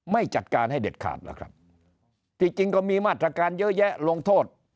ไม่จัดการให้เด็ดขาดหรอกครับที่จริงก็มีมาตรการเยอะแยะลงโทษ